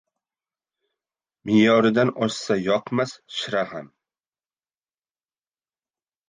Me’yoridan oshsa yoqmas shira ham